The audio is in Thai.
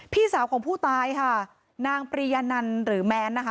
พี่สาวของผู้ตายค่ะนางปริยนันหรือแม้นนะคะ